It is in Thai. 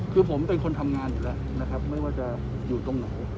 คือผมเป็นคนทำงานอยู่แล้วนะครับไม่ว่าจะอยู่ตรงไหน